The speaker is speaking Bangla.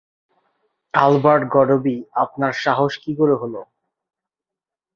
অ্যালবার্ট গডবি, আপনার সাহস কি করে হল!